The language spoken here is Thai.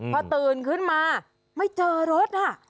พอตื่นขึ้นมาไม่เจอรถ